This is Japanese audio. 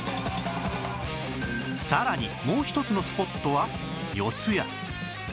さらにもう一つのスポットは四谷